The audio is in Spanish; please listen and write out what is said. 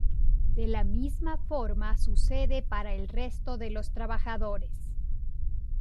De la misma forma sucede para el resto de los trabajadores.